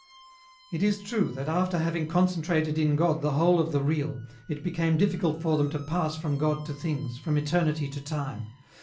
It is true that, after having concentrated in God the whole of the real, it became difficult for them to pass from God to things, from eternity to time.